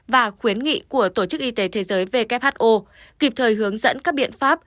và khuyến nghị của tổ chức y tế thế giới who kịp thời hướng dẫn các biện pháp